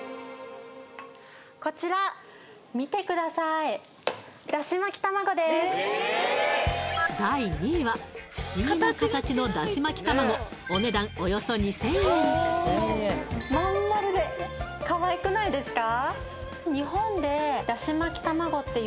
こちら見てください第２位は不思議な形のだし巻き卵お値段およそ２０００円真ん丸でかわいくないですか？